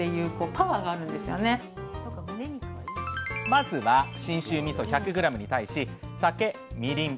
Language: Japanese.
まずは信州みそ１００ｇに対し酒みりん